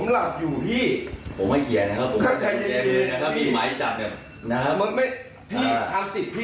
แล้วแจ้งสิทธิ์ตามให้พี่ทราบนะครับ